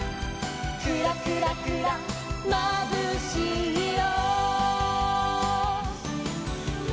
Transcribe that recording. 「クラクラクラまぶしいよ」